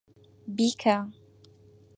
بیکە!